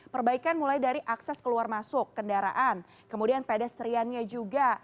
perbaikan mulai dari akses keluar masuk kendaraan kemudian pedestriannya juga